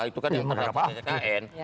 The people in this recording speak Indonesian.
itu kan yang terdaftar di tkn